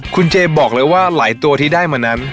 คุณเจบอกเลยว่าหลายตัวที่ได้มานั้น